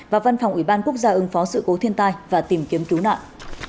và văn phòng ủy ban quốc gia ứng phó sự cố thiên tai và tìm kiếm cứu nạn